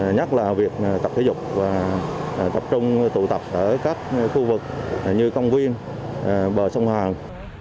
nhất là việc tập thể dục và tập trung tụ tập ở các khu vực như công viên bờ sông hàn